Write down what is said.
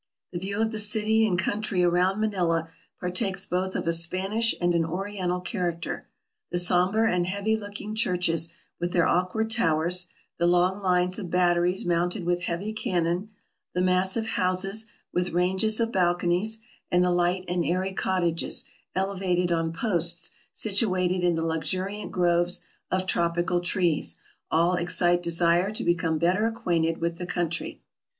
The view of the city and country around Manila par takes both of a Spanish and an Oriental character. The somber and heavy looking churches with their awkward towers ; the long lines of batteries mounted with heavy can non ; the massive houses, with ranges of balconies ; and the light and airy cottages, elevated on posts, situated in the luxuriant groves of tropical trees — all excite desire to be come better acquainted with the country.